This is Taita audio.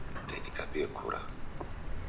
Ndedikabie kura